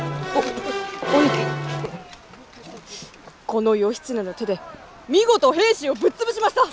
この義経の手で見事平氏をぶっ潰しました！